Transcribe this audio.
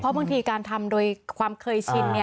บางทีการทำโดยความเคยชิน